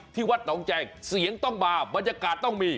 วัดหนองแจงเสียงต้องมาบรรยากาศต้องมี